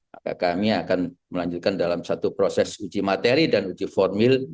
maka kami akan melanjutkan dalam satu proses uji materi dan uji formil